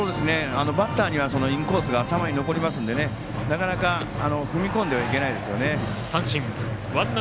バッターにはインコースが頭に残るのでなかなか踏み込んではいけないですよね。